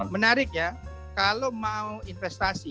menariknya kalau mau investasi